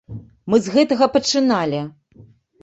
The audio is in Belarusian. Мы з гэтага пачыналі!